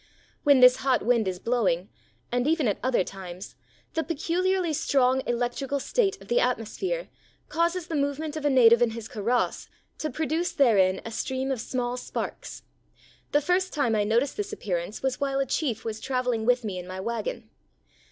When this hot wind is blowing, and even at other times, the peculiarly strong electrical state of the atmos phere causes the movement of a native in his kaross to produce therein a stream of small sparks. The first time I noticed this appearance was while a chief was traveling with me in my wagon.